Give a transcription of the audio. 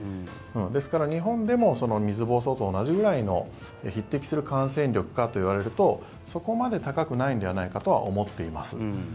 ですから、日本でも水ぼうそうと同じぐらいの匹敵する感染力かといわれるとそこまで高くないのではないかなとは思っています。